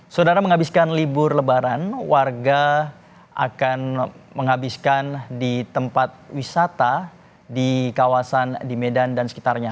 saudara menghabiskan libur lebaran warga akan menghabiskan di tempat wisata di kawasan di medan dan sekitarnya